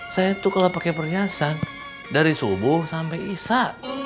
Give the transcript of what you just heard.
saya tuh kalo pake perhiasan dari subuh sampe isa